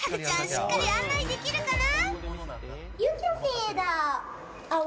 しっかり案内できるかな？